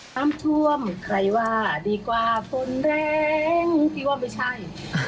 น้ำท่วมใครว่าดีกว่าฝนแรงที่ว่าไม่ใช่